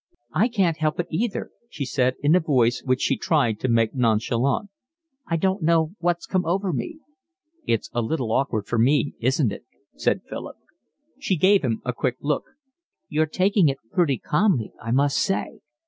"I can't help it either," she said, in a voice which she tried to make nonchalant. "I don't know what's come over me." "It's a little awkward for me, isn't it?" said Philip. She gave him a quick look. "You're taking it pretty calmly, I must say."